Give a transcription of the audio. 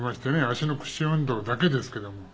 足の屈伸運動だけですけども。